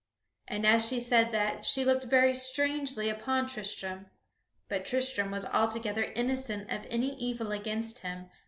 And as she said that she looked very strangely upon Tristram, but Tristram was altogether innocent of any evil against him.